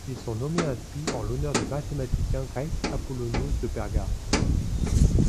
Ils ont été nommés ainsi en l'honneur du mathématicien grec Apollonios de Perga.